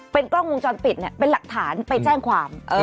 เป็นกล้องวงจรปิดเป็นหลักฐานไปแจ้งความ